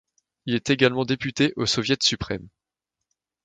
Il est également député au Soviet suprême.